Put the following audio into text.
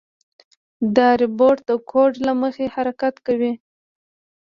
دا روبوټ د کوډ له مخې حرکت کوي.